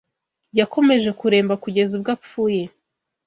Yakomeje kuremba kugeza ubwo apfuye